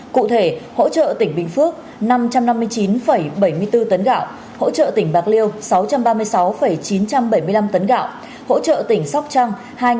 cụ thể hỗ trợ tỉnh bình phước năm trăm năm mươi chín bảy mươi bốn tấn gạo hỗ trợ tỉnh bạc liêu sáu trăm ba mươi sáu chín trăm bảy mươi năm tấn gạo hỗ trợ tỉnh sóc trăng